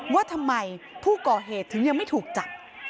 ว่าทำไมผู้ก่อเหตุถึงยังไม่ถูกจับ